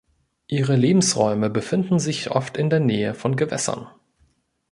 Ihre Lebensräume befinden sich oft in der Nähe von Gewässern.